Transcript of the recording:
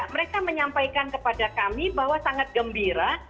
mereka menyampaikan kepada kami bahwa sangat gembira